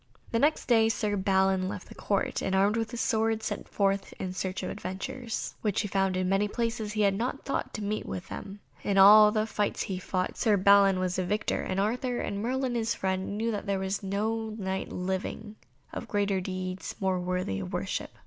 The next day Sir Balin left the Court, and, armed with his sword, set forth in search of adventures, which he found in many places where he had not thought to meet with them. In all the fights that he fought, Sir Balin was the victor, and Arthur, and Merlin his friend, knew that there was no Knight living of greater deeds, or more worthy of worship.